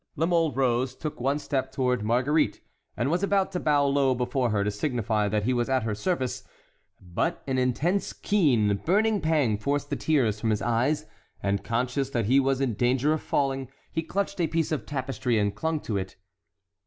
La Mole rose, took one step toward Marguerite, and was about to bow low before her to signify that he was at her service; but an intense, keen, burning pang forced the tears from his eyes, and conscious that he was in danger of falling, he clutched a piece of tapestry and clung to it.